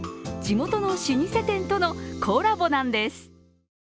地元の老舗店とのコラボなんです。